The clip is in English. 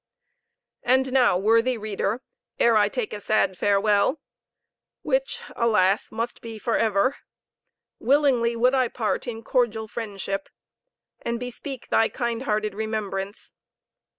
And now, worthy reader, ere I take a sad farewell, which, alas! must be for ever willingly would I part in cordial fellowship, and bespeak thy kind hearted remembrance.